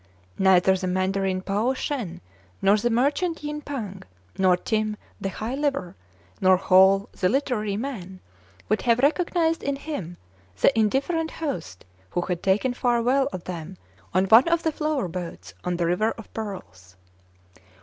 Neither the mandarin Pao Shen, nor the merchant Yin Pang, nor Tim the high liver, nor Houal the literary man, would have recognized in him the indifferent host who had taken farewell of them on one of the flower boats on the River of Pearls.